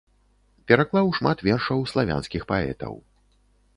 Пераклаў шмат вершаў славянскіх паэтаў.